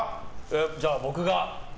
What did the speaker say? じゃあ、僕が。